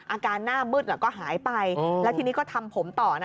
หน้ามืดก็หายไปแล้วทีนี้ก็ทำผมต่อนะ